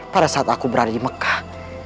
pada saat aku berada di mekah